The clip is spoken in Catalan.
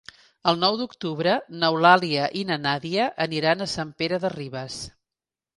El nou d'octubre n'Eulàlia i na Nàdia aniran a Sant Pere de Ribes.